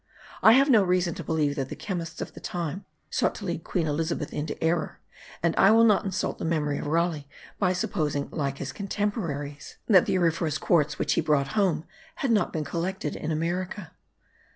I have no reason to believe that the chemists of that time sought to lead Queen Elizabeth into error, and I will not insult the memory of Raleigh by supposing, like his contemporaries,* that the auriferous quartz which he brought home had not been collected in America.